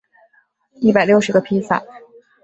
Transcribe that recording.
一百六十个披萨